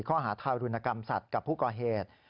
ข้อหาทารุณกรรมสัตว์กับผู้ก่อเหตุ